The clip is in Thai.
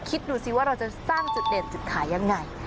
คิดดูสิว่าเราจะสร้างจุดเด่นจุดขายยังไง